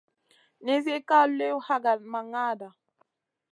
Nizi ka liw hakada ma ŋada.